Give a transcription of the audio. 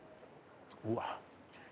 うわっ。